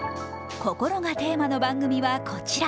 「心」がテーマの番組は、こちら。